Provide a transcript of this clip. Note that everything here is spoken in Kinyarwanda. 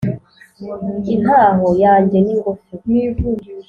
intaho yanjye ni ngufi!